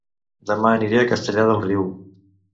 Dema aniré a Castellar del Riu